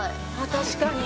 確かに。